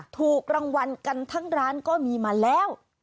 ถูกรางวัลกันทั้งร้านก็มีมาแล้ว